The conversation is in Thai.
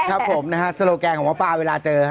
ครับผมนะในโทรแกรนของว่าปลาเวลาเจอ